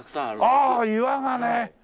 ああ岩がね！